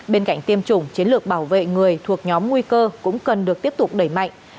bên cạnh tiêm chủng chiến lược bảo vệ người thuộc nhóm nguy cơ cũng cần được tiếp tục đẩy mạnh